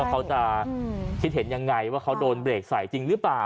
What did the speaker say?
เขาจะคิดเห็นยังไงว่าเขาโดนเบรกใส่จริงหรือเปล่า